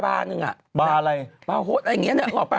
บาร์อะไร